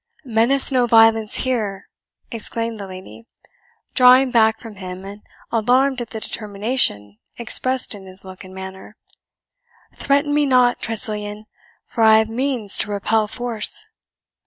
"Menace no violence here!" exclaimed the lady, drawing back from him, and alarmed at the determination expressed in his look and manner; "threaten me not, Tressilian, for I have means to repel force."